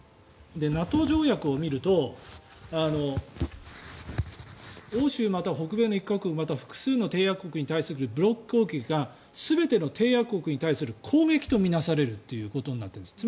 ＮＡＴＯ条約を見ると欧州または北米の１か国または複数の締約国に対する武力攻撃が全ての締約国に対する攻撃と見なされるということになっているんです。